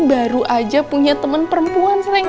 baru aja punya temen perempuan sayang